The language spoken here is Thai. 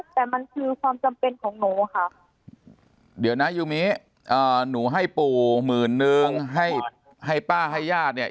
แต่มันคือความจำเป็นของหนูค่ะเดี๋ยวนะยูมิหนูให้ปู่หมื่นนึงให้ให้ป้าให้ญาติเนี่ย